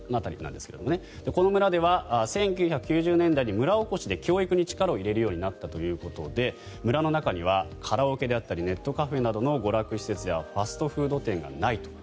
この村では１９９０年代に村おこしで教育に力を入れるようになったということで村の中にはカラオケであったりネットカフェの娯楽施設やファストフード店などがないと。